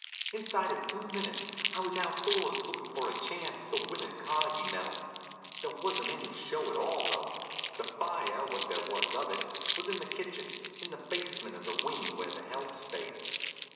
Inside of two minutes I was outdoors lookin' for a chance to win a Carnegie medal. There wasn't any show at all, though. The fire, what there was of it, was in the kitchen, in the basement of the wing where the help stays.